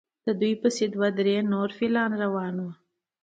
د دوی پسې دوه درې نور فیلان روان وو.